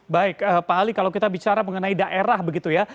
baik pak ali kalau kita bicara mengenai daerah begitu ya